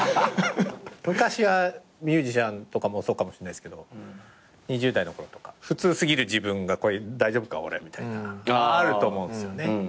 昔はミュージシャンとかもそうかもしんないっすけど２０代のころとか普通すぎる自分が大丈夫か俺みたいなあると思うんすよね。